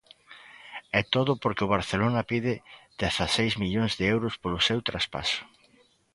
E todo porque o Barcelona pide dezaseis millóns de euros polo seu traspaso.